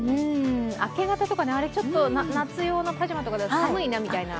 明け方とか、あれ、ちょっと夏用のパジャマとかじゃ寒いなみたいな。